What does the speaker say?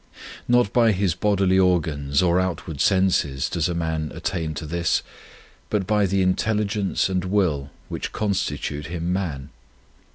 Not by his bodily organs or out ward senses does a man attain to this, but by the intelligence and will, which constitute him man.